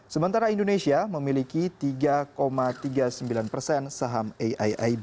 sementara indonesia memiliki tiga tiga puluh sembilan persen saham aiib